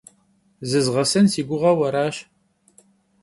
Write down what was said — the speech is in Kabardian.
Zızğesen si guğeu araş.